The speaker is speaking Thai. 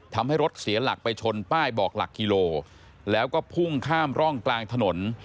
ทำให้รถเสียหลักไปชนป้ายบอกหลักกิโลแล้วก็พุ่งข้ามร่องกลางถนน